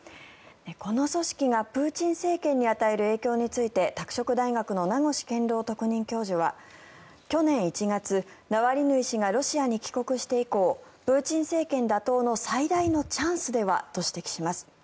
この組織がプーチン政権に与える影響について拓殖大学の名越健郎特任教授は去年１月、ナワリヌイ氏がロシアに帰国して以降プーチン政権打倒の最大のチャンスではと指摘します。